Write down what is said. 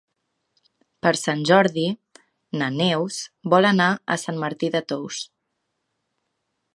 Per Sant Jordi na Neus vol anar a Sant Martí de Tous.